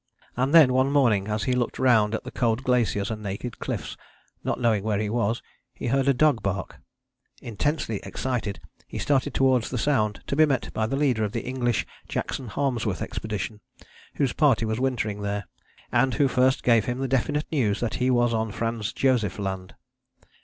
And then one morning, as he looked round at the cold glaciers and naked cliffs, not knowing where he was, he heard a dog bark. Intensely excited, he started towards the sound, to be met by the leader of the English Jackson Harmsworth Expedition whose party was wintering there, and who first gave him the definite news that he was on Franz Josef Land.